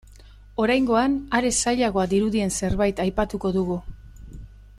Oraingoan, are zailagoa dirudien zerbait aipatuko dugu.